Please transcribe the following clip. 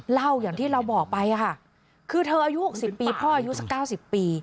อย่างที่เราบอกไปค่ะคือเธออายุ๖๐ปีพ่ออายุสัก๙๐ปี